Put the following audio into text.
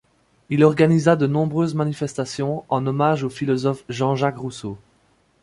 Il organisa de nombreuses manifestations en hommage au philosophe Jean-Jacques Rousseau.